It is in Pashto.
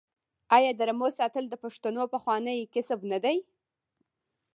آیا د رمو ساتل د پښتنو پخوانی کسب نه دی؟